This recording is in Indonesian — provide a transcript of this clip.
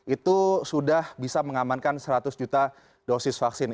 itu sudah bisa mengamankan seratus juta dosis vaksin